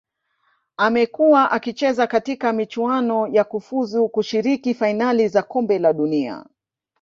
Amekua akicheza katika michuano ya kufuzu kushiriki fainali za kombe la dunia